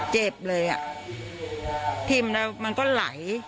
เจ็บเลยทิ้มแล้วมันก็ไหล